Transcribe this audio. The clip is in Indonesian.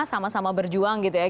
sama sama berjuang gitu ya